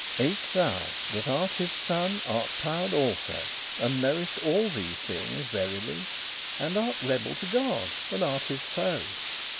"Eke thou, that art his son, art proud also, And knowest all these thinges verily; And art rebel to God, and art his foe.